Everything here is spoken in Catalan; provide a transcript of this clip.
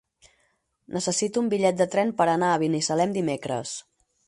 Necessito un bitllet de tren per anar a Binissalem dimecres.